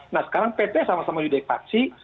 nah sekarang pt sama sama di dekpaksi